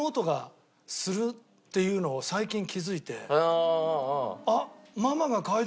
っていうのを最近気づいて。